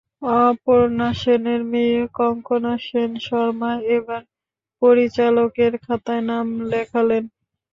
অপর্ণা সেনের মেয়ে কঙ্কণা সেন শর্মা এবার পরিচালকের খাতায় নাম লেখালেন।